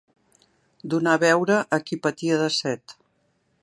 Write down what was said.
Donar beure a qui patia de set